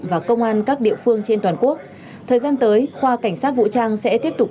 và công an các địa phương trên toàn quốc thời gian tới khoa cảnh sát vũ trang sẽ tiếp tục